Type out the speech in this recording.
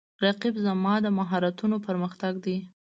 رقیب زما د مهارتونو پر مختګ دی